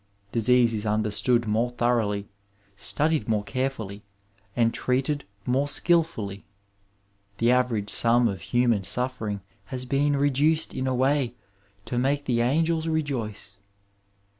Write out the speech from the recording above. Disease is understood more thoroughly, studied more carefully and treated more skilfully. The average sum of human suf fering has been reduced in a way to make the angels re joice.